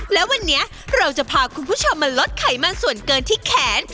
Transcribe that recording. และวันนี้เราจะพาคุณผู้ชมมาลดไขมันส่วนเกินที่แขน